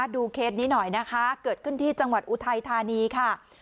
เคสนี้หน่อยนะคะเกิดขึ้นที่จังหวัดอุทัยธานีค่ะ